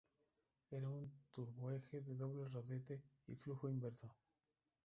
Era un turboeje de doble rodete y flujo inverso.